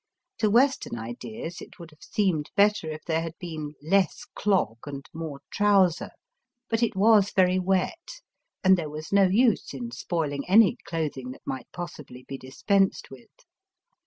To Western ideas it would have seemed better if there had been less clog and more trouser. But it was very wet, and there was no use in spoiling any clothing that might possibly be dispensed with.